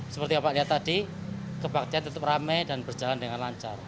seperti yang bapak lihat tadi kebaktian tetap ramai dan berjalan dengan lancar